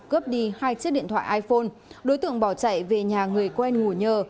cướp đi hai chiếc điện thoại iphone đối tượng bỏ chạy về nhà người quen ngủ nhờ